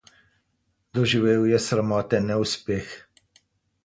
Doživel je sramoten neuspeh.